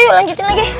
yuk lanjutin lagi